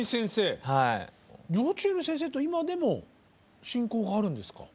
幼稚園の先生と今でも親交があるんですか？